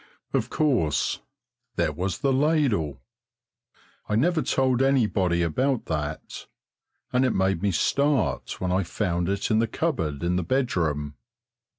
Of course, there was the ladle. I never told anybody about that, and it made me start when I found it in the cupboard in the bedroom.